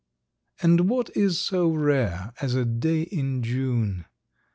And what is so rare as a day in June?